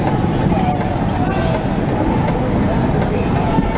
เมื่อเวลาอันดับสุดท้ายมันกลายเป็นภูมิที่สุดท้าย